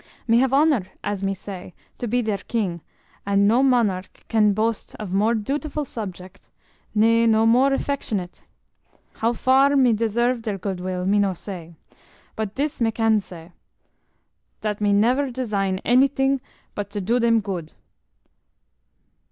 "Me have honour, as me say, to be deir king, and no monarch can do boast of more dutiful subject, ne no more affectionate. How far me deserve deir good will, me no say; but dis me can say, dat me never design anyting but to do dem good.